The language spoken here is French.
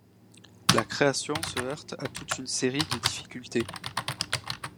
La création se heurte à toute une série de difficultés.